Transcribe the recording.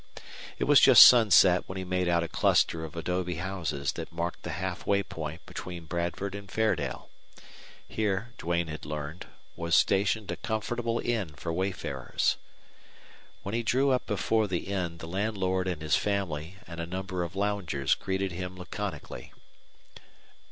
It was just sunset when he made out a cluster of adobe houses that marked the half way point between Bradford and Fairdale. Here, Duane had learned, was stationed a comfortable inn for wayfarers. When he drew up before the inn the landlord and his family and a number of loungers greeted him laconically.